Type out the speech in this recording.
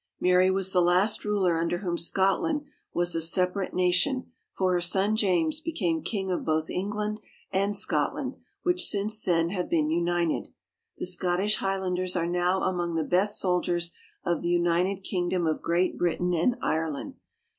Mary was the last ruler under whom Scotland was a sepa rate nation, for her son James became king of both England and Scotland, which since then have been united. The Scottish Highlanders are now among the best soldiers of the United Kingdom of Great Britain and Ireland.